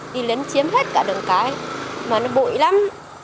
đi lấn chiếm hết cả đường cái mà nó bụi lắm